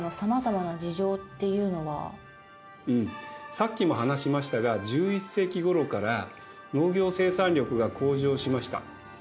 さっきも話しましたが１１世紀ごろから農業生産力が向上しました。